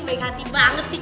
baik hati banget sih